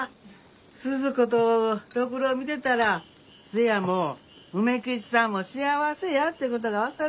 スズ子と六郎見てたらツヤも梅吉さんも幸せやってことが分かる。